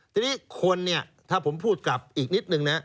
ทีนี้คนถ้าผมพูดกลับอีกนิดหนึ่ง